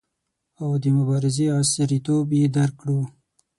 او د مبارزې عصریتوب یې درک کړو.